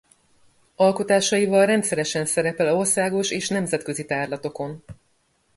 Alkotásaival rendszeresen szerepel országos és nemzetközi tárlatokon.